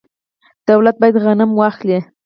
دولت باید غنم واخلي.